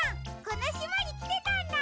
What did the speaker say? このしまにきてたんだ！